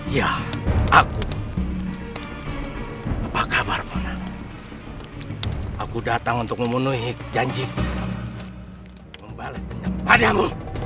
ya aku apa kabar bonang aku datang untuk memenuhi janji membalas kenyaman padamu